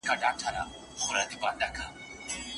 زوی به له دې کيسې څه زده کړي؟